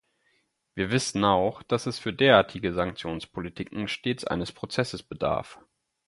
Wir wissen auch, dass es für derartige Sanktionspolitiken stets eines Prozesses bedarf.